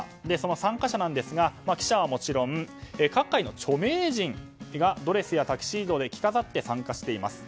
参加者ですが記者はもちろん各界の著名人がドレスやタキシードで着飾って参加しています。